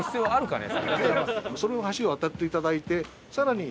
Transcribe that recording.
その橋を渡っていただいて更に。